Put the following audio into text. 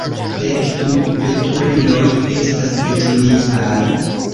Dek du veturiloj estas detruitaj.